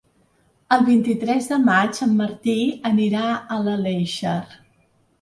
El vint-i-tres de maig en Martí anirà a l'Aleixar.